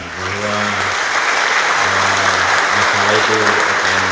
harapan harapan harapan